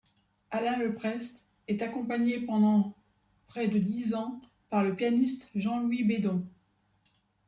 Allain Leprest est accompagné pendant près de dix ans par le pianiste Jean-Louis Beydon.